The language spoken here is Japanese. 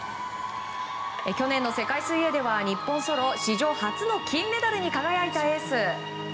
去年の世界水泳で日本ソロ史上初の金メダルに輝いたエース。